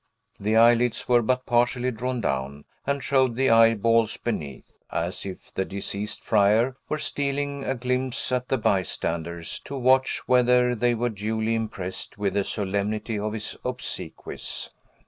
The eyelids were but partially drawn down, and showed the eyeballs beneath; as if the deceased friar were stealing a glimpse at the bystanders, to watch whether they were duly impressed with the solemnity of his obsequies.